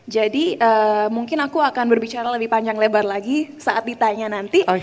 jadi mungkin aku akan berbicara lebih panjang lebar lagi saat ditanya nanti